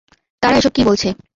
তারা এসব কি বলছে?